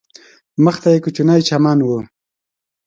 مخ ته یې کوچنی چمن و.